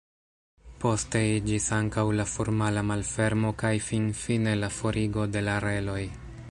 Poste iĝis ankaŭ la formala malfermo kaj finfine la forigo de la reloj.